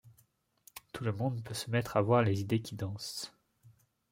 Tout le monde peut se mettre à voir les idées qui dansent.